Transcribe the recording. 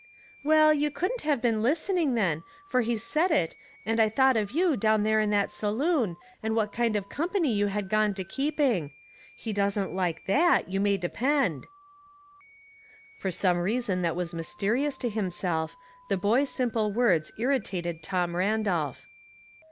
'* Well, you couldn't have been listening then, for he said it, and I thought of you down there in that saloon, and what kind of company you had gone to keeping. He doesn't like that, you may depead." Light without Logic, 125 For some reason that was mysterious to him self, the boy's simple words irritated Tom Ran dolph.